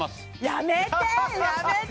やめてやめて！